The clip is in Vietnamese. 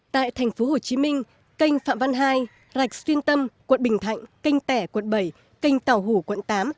tại thành phố hồ chí minh kênh phạm văn hai rạch xuyên tâm quận bình thạnh kênh tẻ quận bảy kênh tàu hủ quận tám